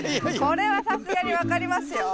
これはさすがに分かりますよ。